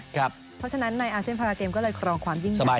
เพราะฉะนั้นในอาเซนต์พาราเกมก็เลยรองความยิ่งดังมาก